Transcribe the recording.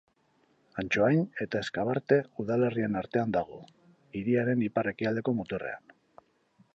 Antsoain eta Ezkabarte udalerrien artean dago, hiriaren ipar-ekialdeko muturrean.